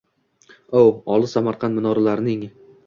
O, olis Samarqand minorlarining